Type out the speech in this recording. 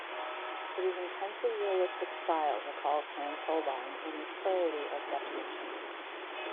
Its intensely realistic style recalls Hans Holbein in its clarity of definition.